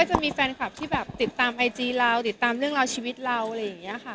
จะมีแฟนคลับที่แบบติดตามไอจีเราติดตามเรื่องราวชีวิตเราอะไรอย่างนี้ค่ะ